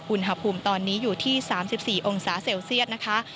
อุณหภูมิตอนนี้อยู่ที่๓๔องศาเซลเซียตนะคะ